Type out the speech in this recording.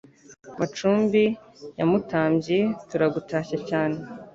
Macumbi ya Mutambyi Turagutashya cyane.